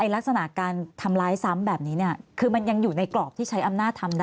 ลักษณะการทำร้ายซ้ำแบบนี้คือมันยังอยู่ในกรอบที่ใช้อำนาจทำได้